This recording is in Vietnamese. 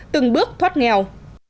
từng bước thoát nghèo